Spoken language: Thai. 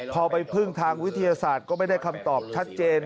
พอไปพึ่งทางวิทยาศาสตร์ก็ไม่ได้คำตอบชัดเจน